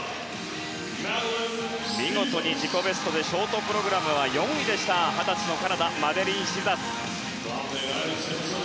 見事に自己ベストでショートプログラムは４位でした二十歳のカナダマデリーン・シザス。